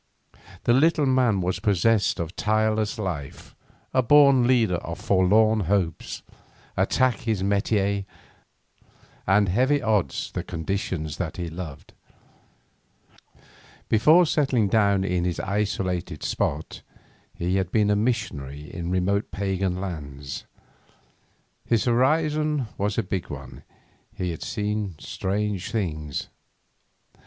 The little man was possessed of tireless life, a born leader of forlorn hopes, attack his métier, and heavy odds the conditions that he loved. Before settling down in this isolated spot pasteur de l'église indépendente in a protestant Canton he had been a missionary in remote pagan lands. His horizon was a big one, he had seen strange things.